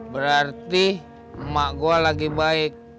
berarti emak gue lagi baik